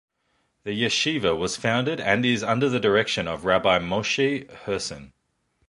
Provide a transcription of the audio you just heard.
The Yeshiva was founded and is under the direction of Rabbi Moshe Herson.